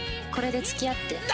「これで付き合って？」